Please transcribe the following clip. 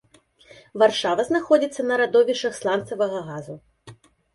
Варшава знаходзіцца на радовішчах сланцавага газу.